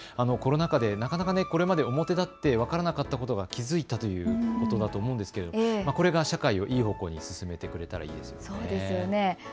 コロナ禍でなかなかこれまで表立って分からなかったことに気付いたということだと思うんですけど、これが社会をいい方向に進めてくれたらいいですね。